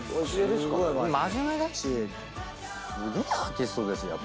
真面目だしすげえアーティストですよ。